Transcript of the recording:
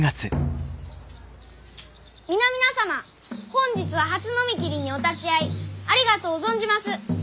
皆々様本日は初呑み切りにお立ち会いありがとう存じます。